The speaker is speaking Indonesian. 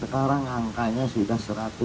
sekarang angkanya sudah satu ratus dua puluh delapan